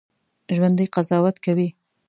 ژوندي قضاوت کوي